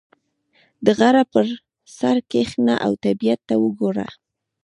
• د غره پر سر کښېنه او طبیعت ته وګوره.